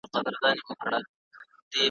خو پوهېږم چی زړگی مي غولومه ,